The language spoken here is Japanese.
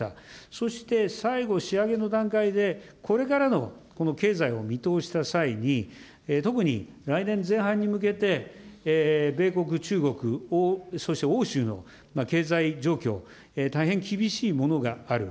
そして最後、仕上げの段階でこれからのこの経済を見通した際に、特に来年前半に向けて、米国、中国を、そして欧州の経済状況、大変厳しいものがある。